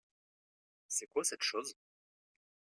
C'est quoi cette chose ?